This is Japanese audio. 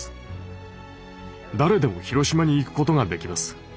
誰でも広島に行くことができます。